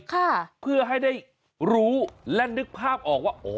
ค่ะเพื่อให้ได้รู้และนึกภาพออกว่าอ๋อ